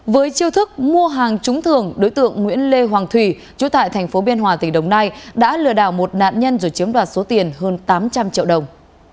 với chiêu thức mua hàng trúng thường đối tượng nguyễn lê hoàng thủy chú tại thành phố biên hòa tỉnh đồng nai đã lừa đảo một nạn nhân rồi chiếm đoạt số tiền hơn tám trăm linh triệu đồng